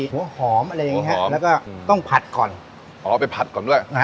หัวหอมอะไรอย่างเงี้ฮะแล้วก็ต้องผัดก่อนอ๋อไปผัดก่อนด้วยนะฮะ